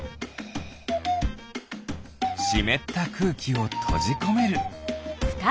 しめったくうきをとじこめる。